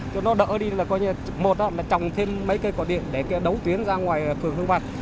cho nó đỡ đi là coi như là một là trồng thêm mấy cây quạt điện để đấu tuyến ra ngoài phường hương văn